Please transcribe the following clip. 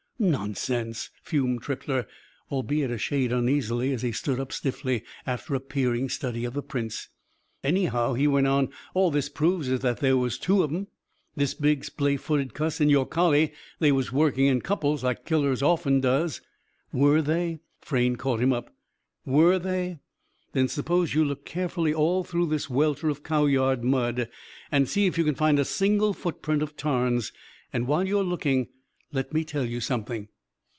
"Nonsense!" fumed Trippler, albeit a shade uneasily, as he stood up stiffly after a peering study of the prints. "Anyhow," he went on, "all it proves is that there was two of 'em. This big splay footed cuss and your collie. They was working in couples, like killers often does." "Were they?" Frayne caught him up. "Were they? Then suppose you look carefully all through this welter of cow yard mud; and see if you can find a single footprint of Tarn's. And while you're looking, let me tell you something."